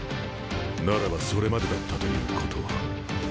ならばそれまでだったということ。